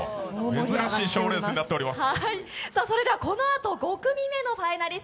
珍しい賞レースとなっています。